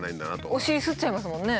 お尻すっちゃいますもんね。